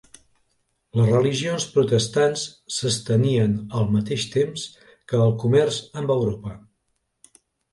Les religions protestants s'estenien al mateix temps que el comerç amb Europa.